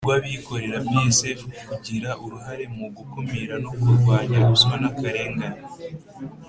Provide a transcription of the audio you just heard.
Rw abikorera psf kugira uruhare mu gukumira no kurwanya ruswa n akarengane